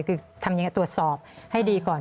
คือทำยังไงตรวจสอบให้ดีก่อน